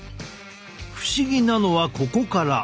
不思議なのはここから。